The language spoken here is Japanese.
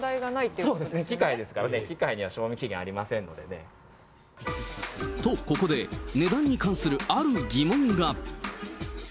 そうですね、機械ですからね、機械には賞味期限ありませんのでと、ここで値段に関するある疑問が。